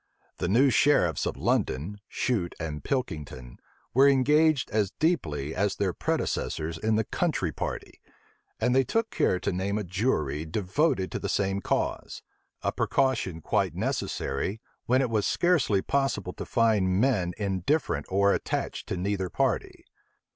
The new sheriffs of London, Shute and Pilkington, were engaged as deeply as their predecessors in the country party; and they took care to name a jury devoted to the same cause; a precaution quite necessary, when it was scarcely possible to find men indifferent or attached to neither party.